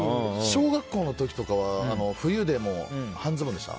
小学校の時とかは冬でも半ズボンでした？